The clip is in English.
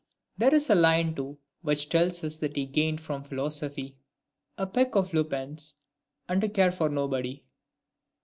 There is a line, too, which tells us that he gained from philosophy :— A peck of lupins, and to care for nobody.